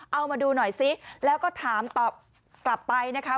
เอามาดูหน่อยซิแล้วก็ถามตอบกลับไปนะคะ